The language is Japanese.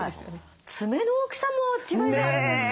爪の大きさも違いがあるんですか？